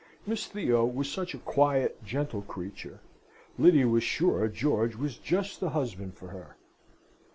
Miss Theo was such a quiet, gentle creature, Lyddy was sure George was just the husband for her.